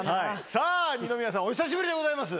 さあ、二宮さん、お久しぶりでございます。